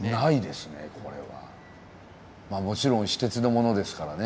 もちろん私鉄のものですからね。